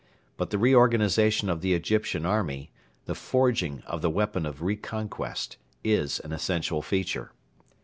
But the reorganisation of the Egyptian army, the forging of the weapon of reconquest, is an essential feature.